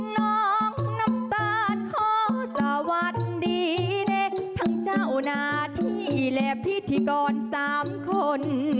น้ำตาลขอสวัสดีทั้งเจ้าหน้าที่และพิธีกร๓คน